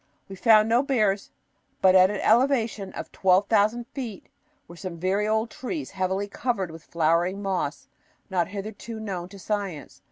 We found no bears, but at an elevation of 12,000 feet were some very old trees, heavily covered with flowering moss not hitherto known to science.